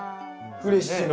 フレッシュな。